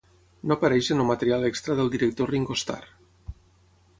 No apareix en el material extra del director Ringo Starr.